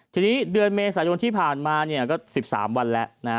ทีนี้เดือนเมษายนที่ผ่านมาเนี่ยก็สิบสามวันแล้วนะฮะ